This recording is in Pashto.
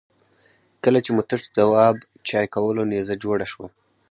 کله چې مو تش جواب چای کولو نيزه جوړه شوه.